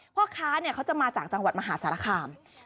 พ่อค้าเขาจะมาจากจังหวัดมหาสารคาม